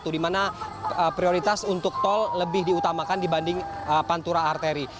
dimana prioritas untuk tol lebih diutamakan dibanding pantura arteri